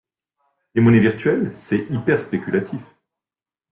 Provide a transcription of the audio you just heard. Les monnaies virtuelles? C'est hyper spéculatif.